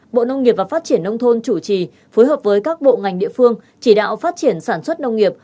bộ nông nghiệp và phát triển nông thôn chủ trì phối hợp với các bộ ngành địa phương chỉ đạo phát triển sản xuất nông nghiệp